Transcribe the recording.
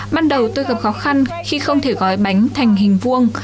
ban đầu tôi gặp khó khăn khi không thể gói bánh thành hình vuông